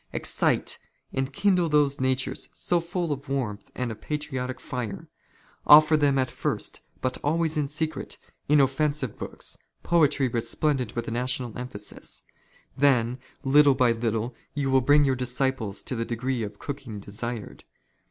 Excite, enkindle those •' natures so full of warmth and of patriotic fire. Ofi'er them at " first, but always in secret, inoffensive books, poetry resplendent " with national emphasis ; then little by little you will bring your •' disciples to the degree of cooking desired.